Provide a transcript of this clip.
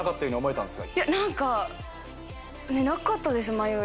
いや何かなかったです迷い。